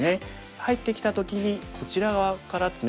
入ってきた時にこちら側からツメましょう。